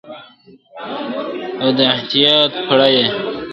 او د اعتیاد پړه یې ..